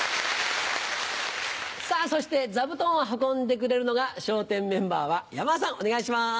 さぁそして座布団を運んでくれるのが笑点メンバーは山田さんお願いします。